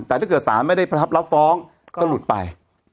แต่ถ้าเกิดสารไม่ได้รับฟ้องก็หลุดไป